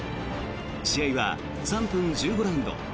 試合は３分１５ラウンド。